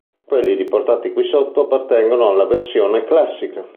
Quelli riportati qui sotto appartengono alla versione classica.